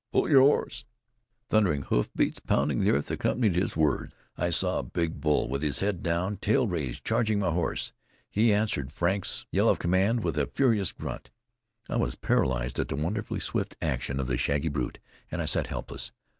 pull your horse!" Thundering hoof beats pounding the earth accompanied his words. I saw a big bull, with head down, tail raised, charging my horse. He answered Frank's yell of command with a furious grunt. I was paralyzed at the wonderfully swift action of the shaggy brute, and I sat helpless.